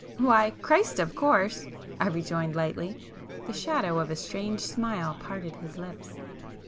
"Why, Christ of course!" I rejoined lightly. The shadow of a strange smile parted his lips.